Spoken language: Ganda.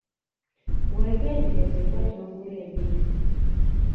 Weegendereze wa gy’ogula ebintu.